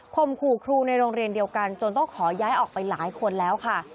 มขู่ครูในโรงเรียนเดียวกันจนต้องขอย้ายออกไปหลายคนแล้วค่ะ